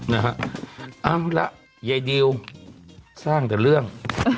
เอาละยายดิวสร้างแต่เรื่อง